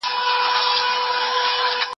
د ژوند دسوال تفسير خو ، په جواب کي نه ځايږي